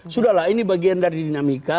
sudahlah ini bagian dari dinamika